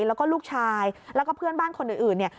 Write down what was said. แล้วก็ลูกชายแล้วก็เพื่อนบ้านคนอื่นเนี่ย